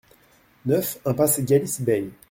neuf impasse Gallice Bey